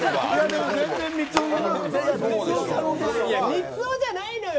みつをじゃないのよ